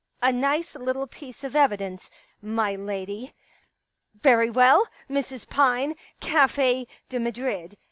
* A nice little piece of evidence, my lady.* ... Very well, Mrs. Pine. Cafe de Madrid.